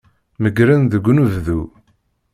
Meggren deg unebdu.